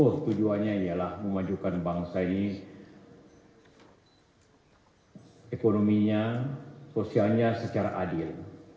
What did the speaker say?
oh tujuannya ialah memajukan bangsa ini ekonominya sosialnya secara adil